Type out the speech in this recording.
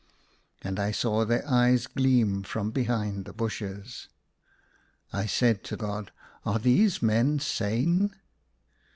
And I saw their eyes gleam from behind the bushes. I said to God, "Are these men sane?"